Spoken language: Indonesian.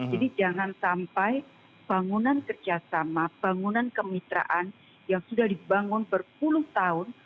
jadi jangan sampai bangunan kerjasama bangunan kemitraan yang sudah dibangun berpuluh tahun